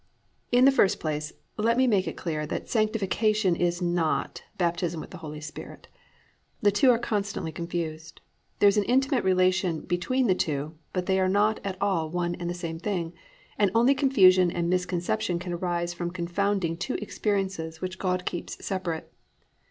1. In the first place let me make it clear that, Sanctification is not the "Baptism with the Holy Spirit." The two are constantly confused. There is an intimate relation between the two, but they are not at all one and the same thing; and only confusion and misconception can arise from confounding two experiences which God keeps separate.